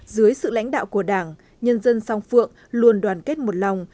dưới sự lãnh đạo của đảng nhân dân song phượng luôn đoàn kết một lòng